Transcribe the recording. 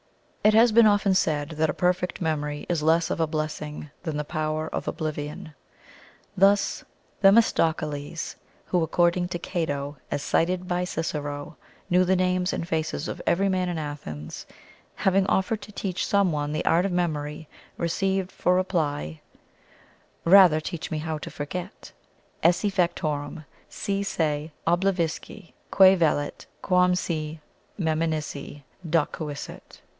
It has been often said that a perfect memory is less of a blessing than the power of oblivion. Thus THEMISTOCLES (who, according to CATO, as cited by CICERO, knew the names and faces of every man in Athens) having offered to teach some one the art of memory, received for reply, "Rather teach me how to forget" esse facturum si se oblivisci quæ vellet, quam si meminisse docuisset.